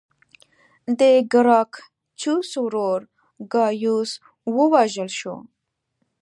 د ګراکچوس ورور ګایوس ووژل شو